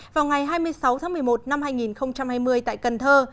vào ngày hai mươi sáu tháng một mươi một năm hai nghìn hai mươi tại cần thơ